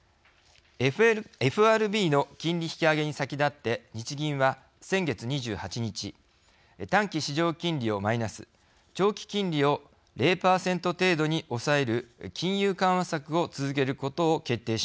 ＦＲＢの金利引き上げに先立って日銀は先月２８日短期市場金利をマイナス長期金利を０％程度に抑える金融緩和策を続けることを決定しました。